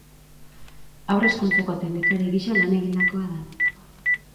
Haur hezkuntzako teknikari gisa lan egindakoa da.